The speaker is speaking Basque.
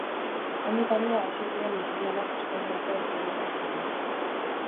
Handik aurrera hasi ziren musulmanak Hispaniako bazterretan zabaltzen.